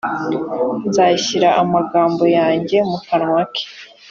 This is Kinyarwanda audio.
nzashyira amagambo yanjye mu kanwa ke,